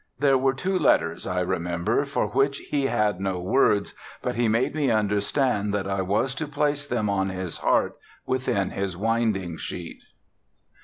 There were two letters, I remember, for which he had no words, but he made me understand that I was to place them on his heart within his winding sheet.